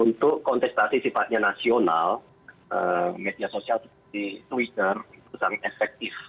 untuk kontestasi sifatnya nasional media sosial seperti twitter itu sangat efektif